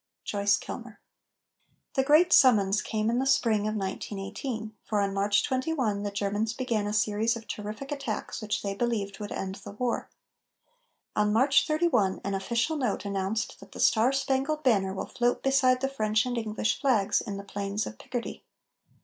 JOYCE KILMER. The great summons came in the spring of 1918, for on March 21 the Germans began a series of terrific attacks which they believed would end the war. On March 31 an official note announced that "the Star Spangled Banner will float beside the French and English flags in the plains of Picardy."